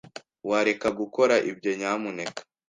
Wareka gukora ibyo, nyamuneka?